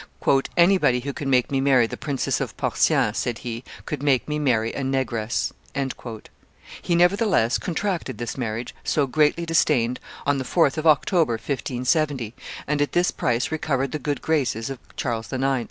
"Anybody who can make me marry the Princess of Portien," said he, "could make me marry a negress." He, nevertheless, contracted this marriage, so greatly disdained, on the 4th of October, 1570; and at this price recovered the good graces of Charles IX.